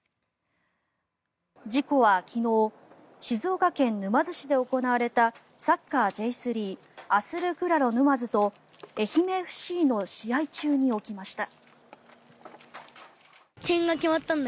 事故は昨日静岡県沼津市で行われたサッカーＪ３アスルクラロ沼津と愛媛ＦＣの試合中に起きました。